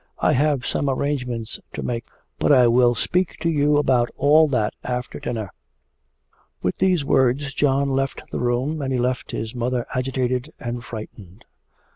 I have some arrangements to make; but I will speak to you about all that after dinner.' With these words John left the room, and he left his mother agitated and frightened.